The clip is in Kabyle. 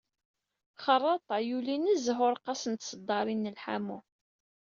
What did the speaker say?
Xerraṭa, yuli nezzeh ureqqas n tṣeddarin n lḥamu.